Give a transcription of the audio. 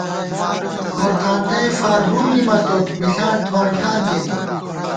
گور تھانتَئےفار بُم نِمَتوت مِݪاں تھووَن ٹھان کېنے